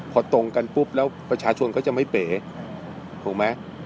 พอตรงกันปุ๊บแล้วประชาชนก็จะไม่เป๋ถูกไหม